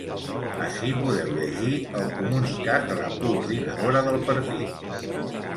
Ací podeu llegir el comunicat de la coordinadora del partit.